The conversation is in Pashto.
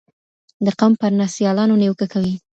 د قوم پر ناسیالانو نیوکه کوي